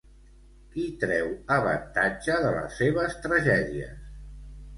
Qui treu avantatge de les seves tragèdies?